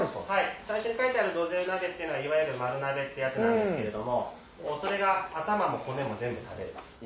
書いてあるどぜう鍋っていうのはいわゆる丸鍋ってやつですけどそれが頭も骨も全部食べる。